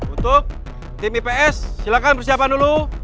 untuk tim ips silakan persiapan dulu